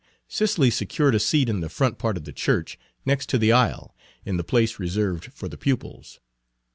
Cicely secured a seat in the front part of the church, next to the aisle, in the place reserved for the pupils.